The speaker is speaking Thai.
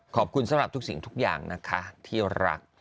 ขอบคุณสำหรับทุกสิ่งทุกอย่างนะคะที่รัก